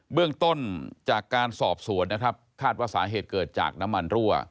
เบื้องต้นจากการสอบสวนนะครับคาดว่าสาเหตุเกิดจากน้ำมันรั่ว